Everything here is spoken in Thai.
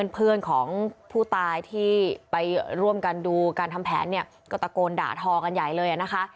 เพื่อนของผู้ตายที่ไปร่วมกันดูการทำแผนเนี่ยก็ตะโกนด่าทอกันใหญ่เลยนะคะ